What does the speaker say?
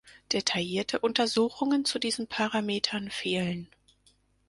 Detaillierte Untersuchungen zu diesen Parametern fehlen.